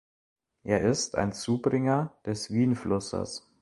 Er ist ein Zubringer des Wienflusses.